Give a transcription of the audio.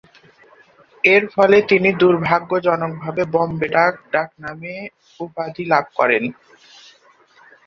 এরফলে তিনি দূর্ভাগ্যজনকভাবে ‘বোম্বে ডাক’ ডাকনামে উপাধি লাভ করেন।